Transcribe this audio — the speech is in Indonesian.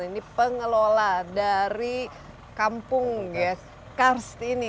ini pengelola dari kampung ya kars ini